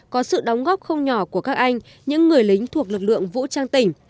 có sự đóng góp không nhỏ của các anh những người lính thuộc lực lượng vũ trang tỉnh